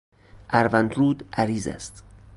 اروندرود عریض است.